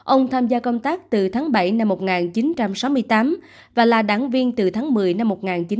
ông tham gia công tác từ tháng bảy năm một nghìn chín trăm sáu mươi tám và là đảng viên từ tháng một mươi năm một nghìn chín trăm bảy mươi